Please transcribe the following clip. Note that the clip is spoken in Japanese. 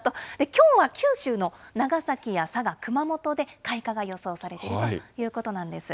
きょうは九州の長崎や佐賀、熊本で開花が予想されているということなんです。